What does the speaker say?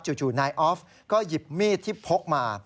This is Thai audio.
จู่นายออฟก็หยิบมีดที่พกมา